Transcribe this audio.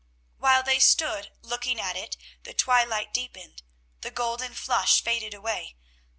While they stood looking at it the twilight deepened; the golden flush faded away.